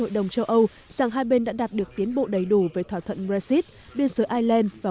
với châu âu rằng hai bên đã đạt được tiến bộ đầy đủ về thỏa thuận brexit biên giới ireland và